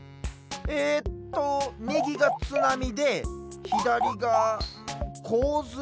えっとみぎがつなみでひだりがんこうずい？